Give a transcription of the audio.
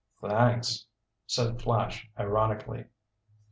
"Thanks," said Flash ironically.